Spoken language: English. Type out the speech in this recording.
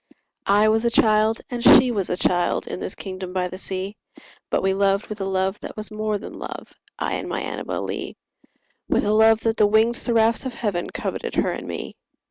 I was a child and she was a child, In this kingdom by the sea: But we loved with a love that was more than love— I and my Annabel Lee; With a love that the winged seraphs of heaven Coveted her and me.